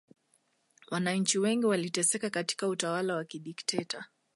wananchi wengi waliteseka katika utawala wa kidikteta